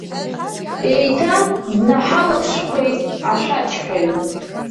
Еиҭа днаҳалаԥшқәеит ашәаџьҳәаҩ.